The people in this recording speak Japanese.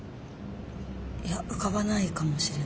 いや浮かばないかもしれないです。